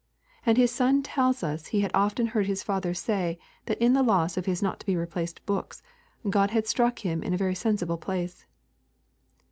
And his son tells us he had often heard his father say that in the loss of his not to be replaced books, God had struck him in a very sensible place.